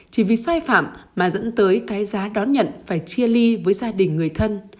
chỉ vì sai phạm mà dẫn tới cái giá đón nhận phải chia ly với gia đình người thân